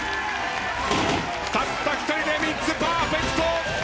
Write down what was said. たった一人で３つパーフェクト！